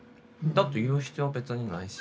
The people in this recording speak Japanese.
だって言う必要別にないし。